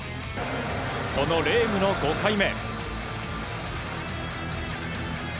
そのレームの５回目。